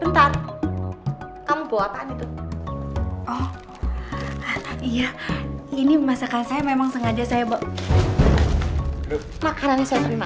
bentar kamu bawa apaan itu oh iya ini masakan saya memang sengaja saya bawa makanan saya terima